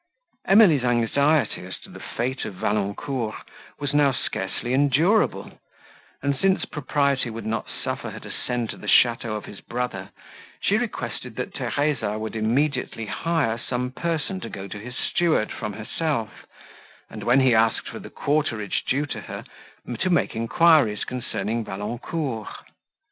Emily's anxiety, as to the fate of Valancourt, was now scarcely endurable, and, since propriety would not suffer her to send to the château of his brother, she requested that Theresa would immediately hire some person to go to his steward from herself, and, when he asked for the quarterage due to her, to make enquiries concerning Valancourt.